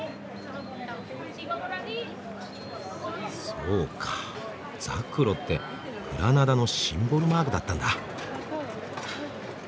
そうかザクロってグラナダのシンボルマークだったんだ。